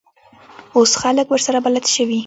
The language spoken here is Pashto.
اوس خلک ورسره بلد شوي.